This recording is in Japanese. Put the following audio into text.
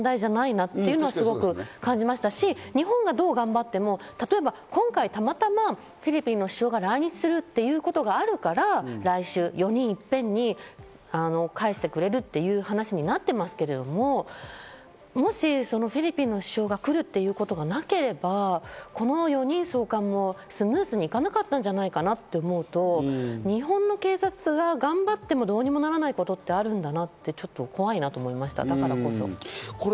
日本だけの問題じゃないなというのは、すごく感じましたし、日本がどう頑張っても今回、たまたまフィリピンの首相が来日するということがあるから来週４人いっぺんにかえしてくれるという話になってますけれども、もしフィリピンの首相が来るということがなければ、この４人送還もスムーズにいかなかったんじゃないかなと思うと、日本の警察が頑張っても、どうにもならないことってあるんだなって、ちょっと怖いなと思いました。